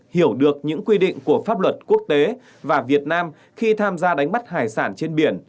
hiểu được những quy định của pháp luật quốc tế và việt nam khi tham gia đánh bắt hải sản trên biển